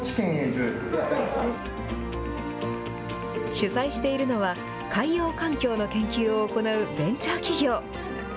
取材しているのは、海洋環境の研究を行うベンチャー企業。